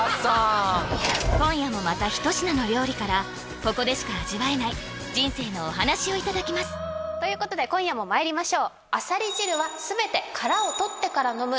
今夜もまた一品の料理からここでしか味わえない人生のお話をいただきますということで今夜もまいりましょうええええ